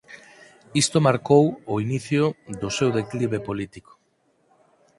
Isto marcou o inicio do seu declive político.